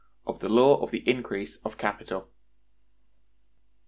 Of The Law Of The Increase Of Capital.